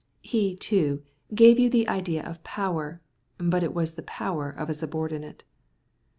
He, too, gave you the idea of power, but it was the power of a subordinate.